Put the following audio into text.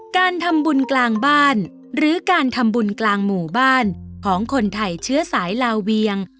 การทำบุญกลางบ้านหรือการทำบุญกลางหมู่บ้านของคนไทยเชื้อสายลาเวียง